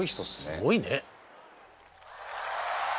すごいね。